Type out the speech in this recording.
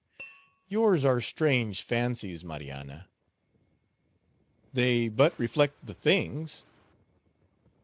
"Yours are strange fancies, Marianna." "They but reflect the things."